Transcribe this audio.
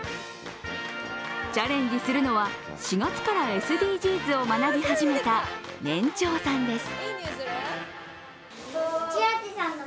チャレンジするのは、４月からＳＤＧｓを学び始めた年長さんです。